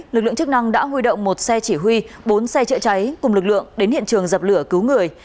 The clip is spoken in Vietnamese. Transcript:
lực lượng chức năng đã huy động một xe chỉ huy bốn xe chữa cháy cùng lực lượng đến hiện trường dập lửa cứu người